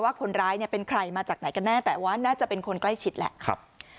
คนร้ายเนี่ยเป็นใครมาจากไหนกันแน่แต่ว่าน่าจะเป็นคนใกล้ชิดแหละ